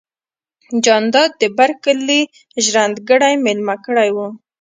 جانداد د بر کلي ژرندګړی ميلمه کړی و.